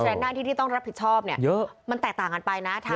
หน้าที่ที่ต้องรับผิดชอบเนี่ยเยอะมันแตกต่างกันไปนะ